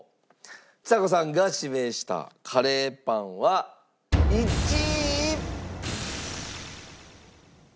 ちさ子さんが指名したカレーパンは１位。